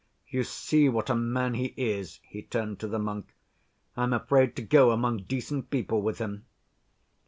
You see what a man he is"—he turned to the monk—"I'm afraid to go among decent people with him."